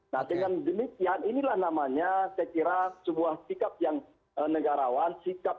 nah dengan demikian inilah namanya saya kira sebuah sikap yang negarawan sikap